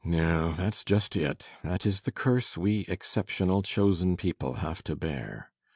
] No, that's just it. That is the curse we exceptional, chosen people have to bear.